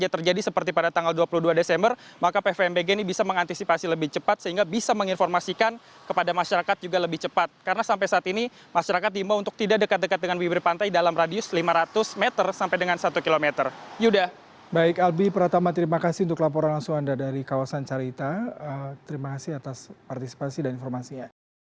terima kasih atas partisipasi dan informasinya